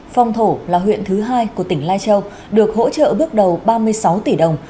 phong thổ là huyện thứ hai của tỉnh lai châu được hỗ trợ bước đầu ba mươi sáu tỷ đồng